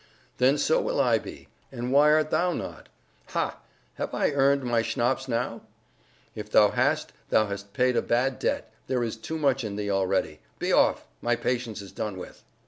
"Then so will I be; and why art thou not? Ha! have I earned my schnapps now?" "If thou hast, thou hast paid a bad debt! there is too much in thee already. Be off! my patience is done with."